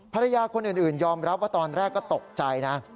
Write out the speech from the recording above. ภรรยาคนอื่นยอมรับว่าตอนแรกก็ตกใจนะ